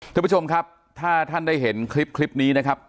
ท่านผู้ชมครับถ้าท่านได้เห็นคลิปนี้นะครับ